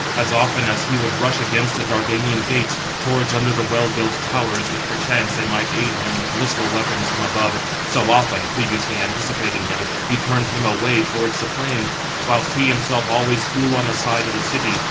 As often as he would rush against the Dardanian gates, towards under the well built towers, if perchance they might aid him with missile weapons from above, so often, previously anticipating him, he turned him away towards the plain; whilst he himself always flew on the side of the city.